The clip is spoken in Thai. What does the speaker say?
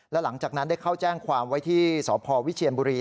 และหลังจากนั้นได้เข้าแจ้งความไว้ที่สพวิเชียนบุรี